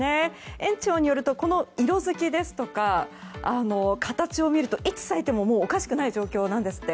園長によるとこの色づきですとか形を見るといつ咲いてもおかしくない状況なんですって。